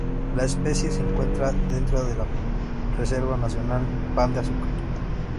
La especie se encuentra dentro de la Reserva Nacional Pan de Azúcar.